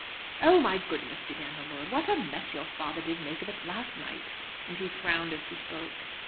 "Oh, my goodness!" began the lord, "what a mess your father did make of it last night." And he frowned as he spoke.